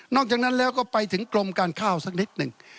จากนั้นแล้วก็ไปถึงกรมการข้าวสักนิดหนึ่ง